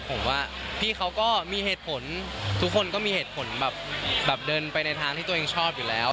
ผมว่าพี่เขาก็มีเหตุผลทุกคนก็มีเหตุผลแบบเดินไปในทางที่ตัวเองชอบอยู่แล้ว